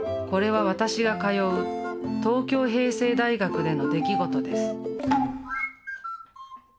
これは私が通う東京平成大学での出来事です。